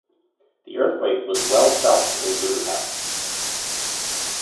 The earthquake was well felt in Budapest.